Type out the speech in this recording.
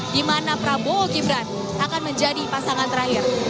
dimana prabowo dan gibran akan menjadi pasangan terakhir